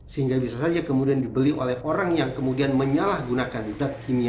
sehingga bisa saja kemudian dibeli oleh orang yang kemudian menyalahkan kejahatan yang ingin diperoleh oleh orang lainnya